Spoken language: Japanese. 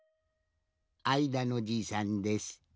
あいだのじいさんです。